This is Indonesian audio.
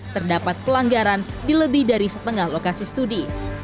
terdapat pelanggaran di lebih dari setengah lokasi studi